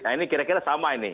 nah ini kira kira sama ini